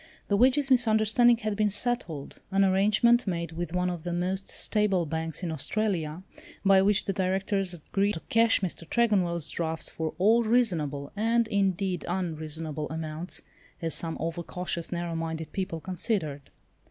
The wages misunderstanding had been settled, an arrangement made with one of the most stable banks in Australia, by which the Directors agreed to cash Mr. Tregonwell's drafts for all reasonable, and, indeed, unreasonable, amounts, as some over cautious, narrow minded people considered.